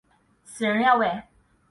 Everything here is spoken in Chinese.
死人呀喂！